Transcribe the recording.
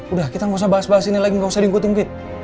udah kita gak usah bahas bahas ini lagi gak usah diunggah unggah